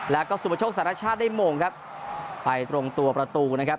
แล้วก็สุประโชคสารชาติได้มงครับไปตรงตัวประตูนะครับ